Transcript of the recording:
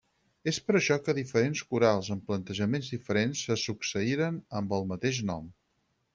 És per això que diferents corals, amb plantejaments diferents, se succeïren amb el mateix nom.